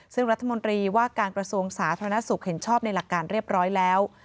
ซึ่งรัฐมนตรีว่าการกระทรวงสาธารณสุขเห็นชอบในหลักการเรียบร้อยแล้ว